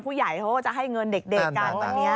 ผู้ใหญ่เขาก็จะให้เงินเด็กกันวันนี้